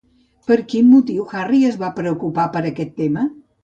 Per quin motiu Harry es va preocupar per aquest tema?